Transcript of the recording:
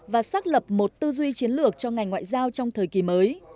và xác lập một tư duy chiến lược cho ngành ngoại giao trong thời kỳ mới